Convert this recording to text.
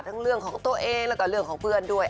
เรื่องของตัวเองแล้วก็เรื่องของเพื่อนด้วย